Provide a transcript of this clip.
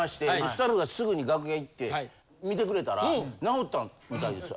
スタッフがすぐに楽屋行って見てくれたら直ったみたいです。